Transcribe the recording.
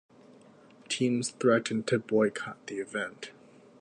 Teams threatened to boycott the event.